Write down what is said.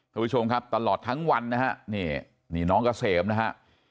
คุณผู้ชมครับตลอดทั้งวันนะฮะนี่นี่น้องเกษมนะฮะ